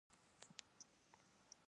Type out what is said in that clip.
داسې ولس څه کوو، چې خوله يې په خيرات ډکه